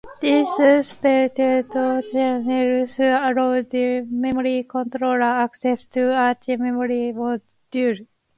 These separate channels allow the memory controller access to each memory module.